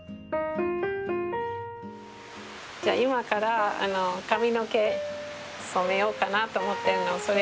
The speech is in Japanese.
今から髪の毛染めようかなと思ってるの。